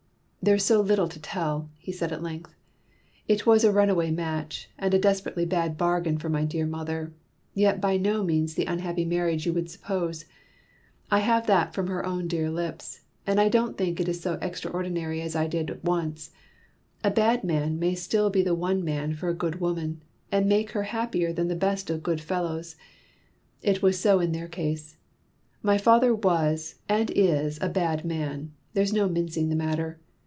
"There's so little to tell," he said at length. "It was a runaway match, and a desperately bad bargain for my dear mother, yet by no means the unhappy marriage you would suppose. I have that from her own dear lips, and I don't think it so extraordinary as I did once. A bad man may still be the one man for a good woman, and make her happier than the best of good fellows; it was so in their case. My father was and is a bad man; there's no mincing the matter.